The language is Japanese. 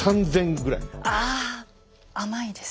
ああ甘いです。